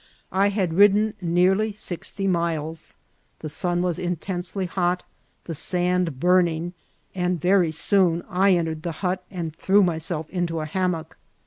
I had ridden nearly sixty miles ; the sun was intensely hot, the sand burning, and very soon I entered the hut and threw myself into a hammock.